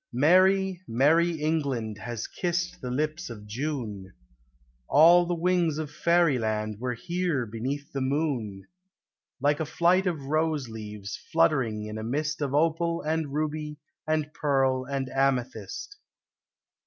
Merry, merry England has kissed the lips of June : All the wings of fairyland were here beneath the moon ; Like a flight of rose leaves fluttering in a mist Of opal and ruby and pearl and amethyst.